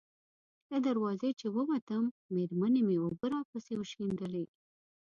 له دروازې چې ووتم، مېرمنې مې اوبه راپسې وشیندلې.